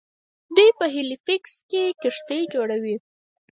دوی په هیلیفیکس کې کښتۍ جوړوي.